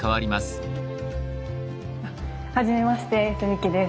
はじめまして澄輝です。